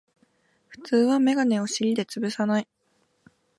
普通はメガネを尻でつぶさない